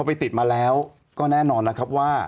ไปติดมาแล้วก็แน่นอนนะครับว่า